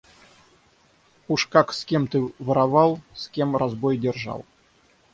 Уж как с кем ты воровал, с кем разбой держал